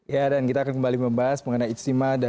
ya dan kita akan kembali membahas mengenai istimewa dan konsultasi